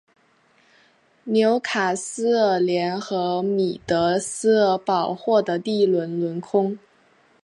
纽卡斯尔联和米德尔斯堡获得第一轮轮空。